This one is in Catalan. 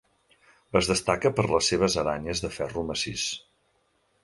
Es destaca per les seves aranyes de ferro massís.